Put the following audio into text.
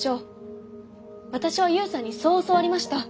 私は勇さんにそう教わりました。